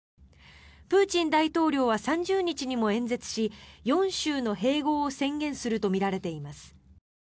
プーチン大統領は３０日にも演説し４州の併合を宣言するとみられています。